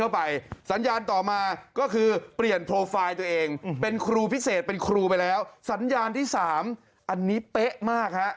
เป็นครูพิเศษเป็นครูไปแล้วสัญญาณที่สามอันนี้เป๊ะมากฮะ